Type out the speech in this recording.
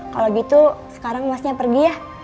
kalau gitu sekarang masnya pergi ya